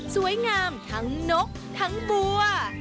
สวยงามทั้งนกทั้งบัว